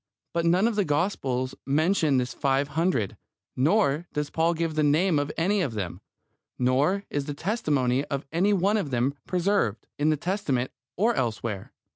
But none of the Gospels mentions this five hundred, nor does Paul give the name of any one of them, nor is the testimony of any one of them preserved, in the Testament or elsewhere.